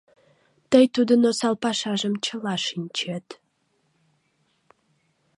Тый тудын осал пашажым чыла шинчет.